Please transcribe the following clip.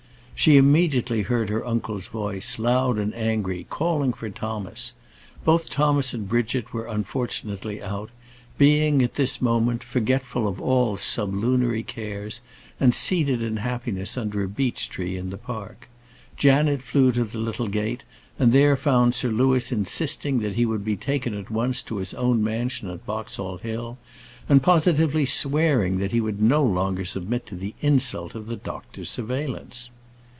She immediately heard her uncle's voice, loud and angry, calling for Thomas. Both Thomas and Bridget were unfortunately out, being, at this moment, forgetful of all sublunary cares, and seated in happiness under a beech tree in the park. Janet flew to the little gate, and there found Sir Louis insisting that he would be taken at once to his own mansion at Boxall Hill, and positively swearing that he would no longer submit to the insult of the doctor's surveillance.